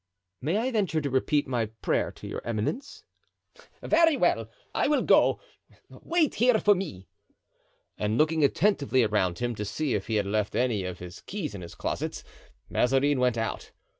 "May I venture to repeat my prayer to your eminence?" "Very well; I will go. Wait here for me." And looking attentively around him, to see if he had left any of his keys in his closets, Mazarin went out.